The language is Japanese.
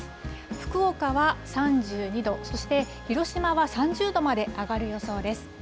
福岡は３２度、そして広島は３０度まで上がる予想です。